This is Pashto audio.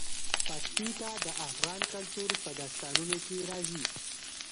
پکتیکا د افغان کلتور په داستانونو کې راځي.